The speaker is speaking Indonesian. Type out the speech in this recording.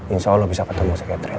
insya allah bisa ketemu si catherine